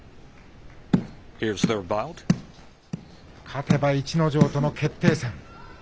勝てば逸ノ城との決定戦。